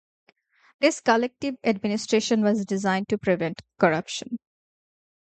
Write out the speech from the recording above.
This collective administration was designed to prevent corruption.